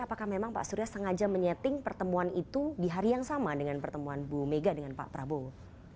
apakah memang pak surya sengaja menyetting pertemuan itu di hari yang sama dengan pertemuan bu mega dengan pak prabowo